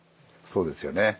そうですよね。